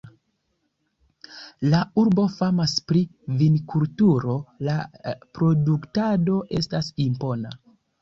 La urbo famas pri vinkulturo, la produktado estas impona.